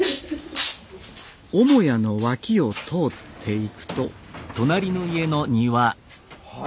母屋の脇を通っていくとはい。